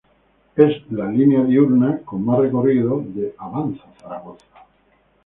Es la línea diurna con más recorrido de Avanza Zaragoza.